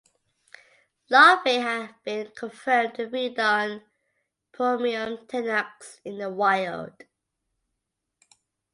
Larvae have been confirmed to feed on "Phormium tenax" in the wild.